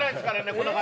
この方。